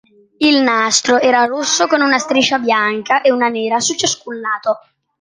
Il nastro era rosso con una striscia bianca e una nera su ciascun lato.